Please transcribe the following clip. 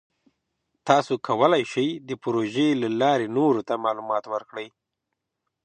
تاسو کولی شئ د پروژې له لارې نورو ته معلومات ورکړئ.